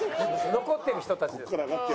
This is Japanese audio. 残ってる人たちですから。